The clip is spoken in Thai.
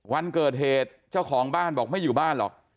วันเกิดเหตุเจ้าของบ้านบอกไม่อยู่บ้านหรอก